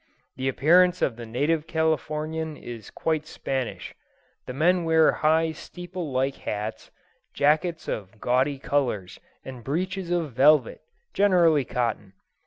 The appearance of the native Californian is quite Spanish. The men wear high steeple like hats, jackets of gaudy colours, and breeches of velvet, generally cotton.